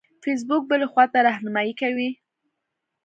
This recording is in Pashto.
فیسبوک بلې خواته رهنمایي کوي.